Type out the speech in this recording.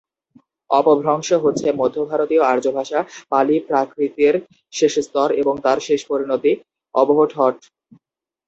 অপভ্রংশ হচ্ছে মধ্যভারতীয় আর্যভাষা পালি-প্রাকৃতের শেষস্তর এবং তার শেষ পরিণতি অবহট্ঠ।